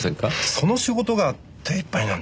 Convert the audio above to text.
その仕事が手いっぱいなんですよ。